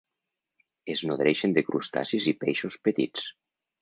Es nodreixen de crustacis i peixos petits.